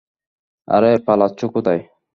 আরে পালাচ্ছো কোথায়?